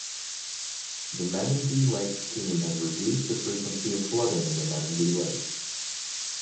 The Menindee Lake Scheme has reduced the frequency of flooding in the Menindee Lakes.